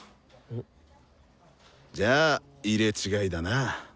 じゃあ入れ違いだな。